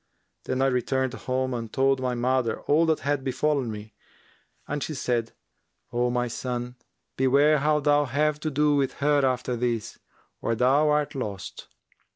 Then I returned home and told my mother all that had befallen me, and she said, 'O my son, beware how thou have to do with her after this, or thou art lost.'